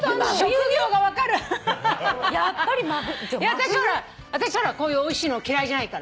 私ほらこういうおいしいの嫌いじゃないから。